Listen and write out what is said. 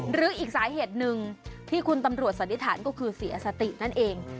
หรืออีกสาเหตุหนึ่งที่คุณตำรวจสันนิษฐานก็คือเสียสตินั่นเอง